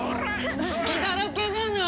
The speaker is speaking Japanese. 隙だらけじゃない！